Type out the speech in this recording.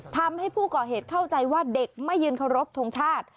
ทำให้ผู้ก่อเหตุเข้าใจว่าเด็กไม่ยืนเคารพทงชาติ